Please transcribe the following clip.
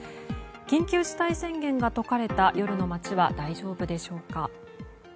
緊急事態宣言が解かれた夜の街は大丈夫でしょうか。